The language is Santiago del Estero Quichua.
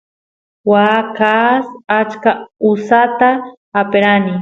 waa kaas achka usata aperani